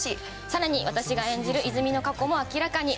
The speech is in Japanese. さらに私が演じる和泉の過去も明らかに。